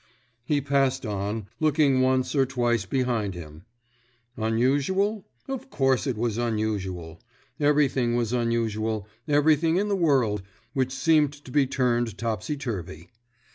He passed on, looking once or twice behind him. Unusual? Of course it was unusual. Everything was unusual, everything in the world, which seemed to be turned topsy turvy.